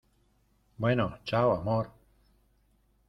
bueno. chao, amor .